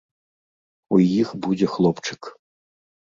У іх будзе хлопчык.